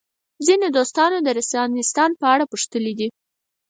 ځینو دوستانو د رنسانستان په اړه پوښتلي دي.